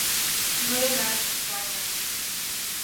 — Ноенат, Ваня.